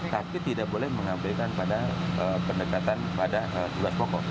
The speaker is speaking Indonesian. tapi tidak boleh mengamalkan pendekatan pada tugas pokok